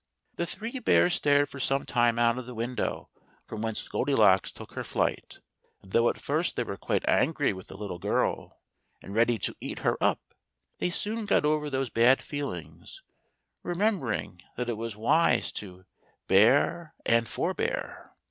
The three bears stared for some time out of the window from whence Goldilocks took her flight; and though at first they were quite angry with the little girl, and ready to eat her up, they soon got over these bad feelings, remembering that it is wise to Bear and Forbear.